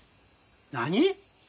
何！？